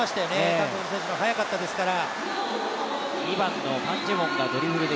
韓国の選手が速かったですから。